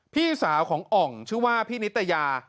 พี่สาวของอ่องชื่อว่าพี่นิตยา